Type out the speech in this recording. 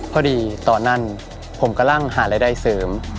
ตอนนั้นผมกำลังหารายได้เสริม